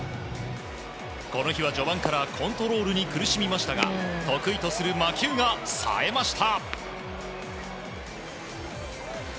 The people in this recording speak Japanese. この日は序盤からコントロールに苦しみましたが得意とする魔球がさえました。